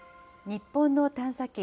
日本の探査機